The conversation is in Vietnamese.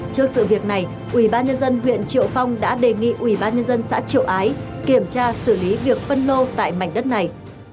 trước sự việc này ubnd huyện triệu phong đã đề nghị ubnd xã triệu ái kiểm tra xử lý việc phân lô tại mảnh đất này